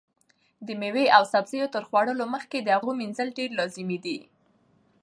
د مېوې او سبزیو تر خوړلو مخکې د هغو مینځل ډېر لازمي دي.